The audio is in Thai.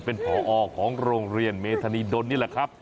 เป็นผอของโรงเรียนเมธานีดลนี่แหละครับ